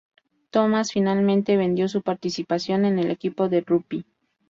Thomas finalmente vendió su participación en el equipo de Robbie.